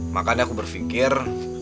makanya aku berfikir